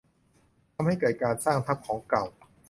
ทำให้เกิดการสร้างทับของเก่า